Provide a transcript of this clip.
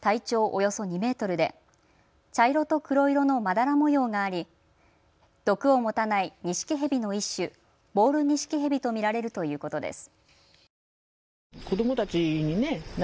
およそ２メートルで茶色と黒色のまだら模様があり毒を持たないニシキヘビの一種、ボールニシキヘビと見られるということです。